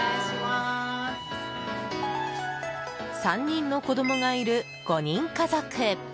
３人の子供がいる５人家族。